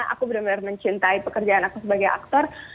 aku benar benar mencintai pekerjaan aku sebagai aktor